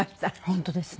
本当ですね。